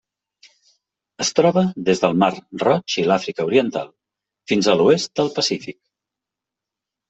Es troba des del Mar Roig i l'Àfrica Oriental fins a l'oest del Pacífic.